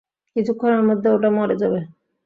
কিছুক্ষণের মধ্যে ওটা মরে যাবে।